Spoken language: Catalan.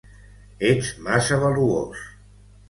Ets massa valuós!